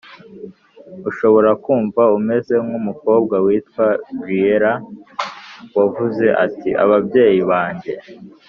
Ushobora kumva umeze nk umukobwa witwa Brielle wavuze ati ababyeyi banjye